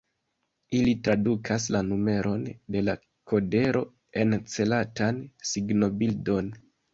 Ili tradukas la numeron de la kodero en celatan signobildon.